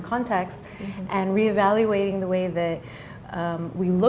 dan memperbaiki cara